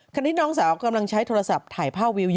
ที่น้องสาวกำลังใช้โทรศัพท์ถ่ายภาพวิว